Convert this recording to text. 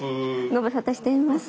ご無沙汰しています。